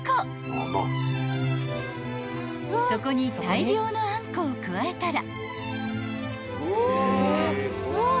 ［そこに大量のあんこを加えたら］